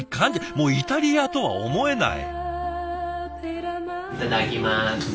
もうイタリアとは思えない。